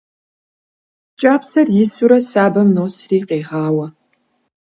КӀапсэр исурэ сабэм носри, къегъауэ.